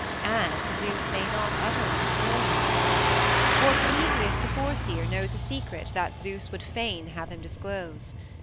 And Zeus may not utterly destroy him. For Prometheus the Foreseer knows a secret that Zeus would fain have him disclose.